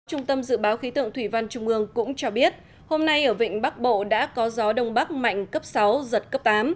trung tâm dự báo khí tượng thủy văn trung ương cũng cho biết hôm nay ở vịnh bắc bộ đã có gió đông bắc mạnh cấp sáu giật cấp tám